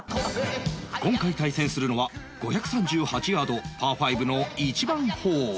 今回対戦するのは５３８ヤードパー５の１番ホール